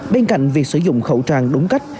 bên cạnh việc sử dụng khẩu trang đúng cách